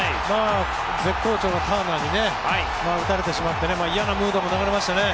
絶好調のターナーに打たれてしまって嫌なムードも流れましたね。